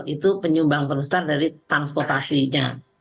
itu penyumbang perusahaan dari transportasinya